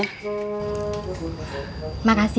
terima kasih ip